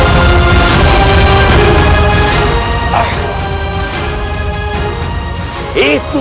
lima nyawa sudah kau bereskan